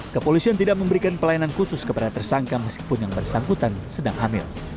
kepolisian tidak memberikan pelayanan khusus kepada tersangka meskipun yang bersangkutan sedang hamil